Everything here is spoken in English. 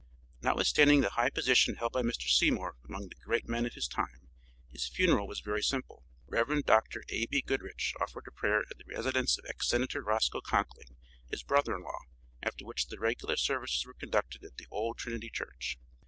Notwithstanding the high position held by Mr. Seymour among the great men of his time his funeral was very simple. Rev. Dr. A. B. Goodrich offered a prayer at the residence of ex Senator Roscoe Conkling, his brother in law, after which the regular services were conducted at the old Trinity Church.